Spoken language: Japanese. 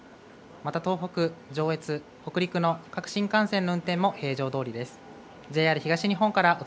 また、東北、上越、北陸の各新幹線の運転も平常どおりです。